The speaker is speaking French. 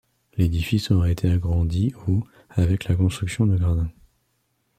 L'édifice aurait été agrandi au avec la construction de gradins.